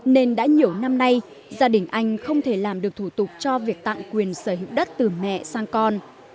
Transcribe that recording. nên đã nhiều năm nay gia đình anh không thể làm được thủ tục cho việc tặng quyền sở hữu đất từ mẹ sang con